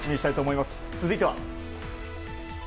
続いては。